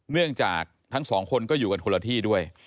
เนื่องจากทั้งสองคนก็อยู่กันคนละที่ด้วย